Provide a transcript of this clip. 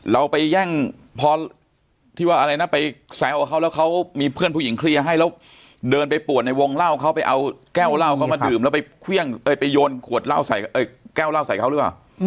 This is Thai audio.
เราไปแย่งพอที่ว่าอะไรนะไปแซวกับเขาแล้วเขามีเพื่อนผู้หญิงเคลียร์ให้แล้วเดินไปปวดในวงเล่าเขาไปเอาแก้วเหล้าเขามาดื่มแล้วไปเครื่องไปโยนขวดเหล้าใส่แก้วเหล้าใส่เขาหรือเปล่า